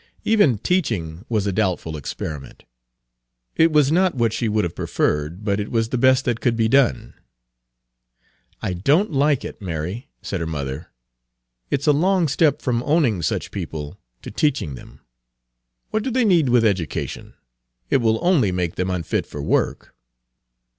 Even teaching was a doubtful experiment; it was not what she would have preferred, but it was the best that could be done. "I don't like it, Mary," said her mother. "It's a long step from owning such people to teaching them. What do they need with education? It will only make them unfit for work."